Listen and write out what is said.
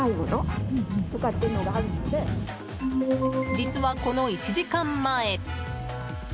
実は、この１時間前。